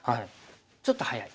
ちょっと早い。